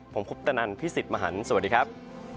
ผมคุปตะนันพี่สิทธิ์มหันฯสวัสดีครับ